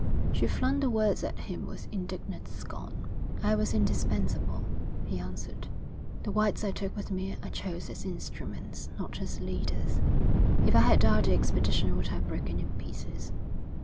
She flung the words at him with indignant scorn. 'I was indispensable,' he answered. 'The whites I took with me I chose as instruments, not as leaders. If I had died the expedition would have broken in pieces.